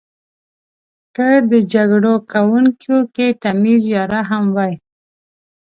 که د جګړو کونکیو کې تمیز یا رحم وای.